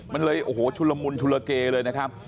มันเลยโอ้โหชุลมุนชุลเกเลยนะครับ